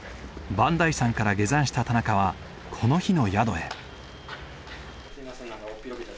磐梯山から下山した田中はこの日の宿へ。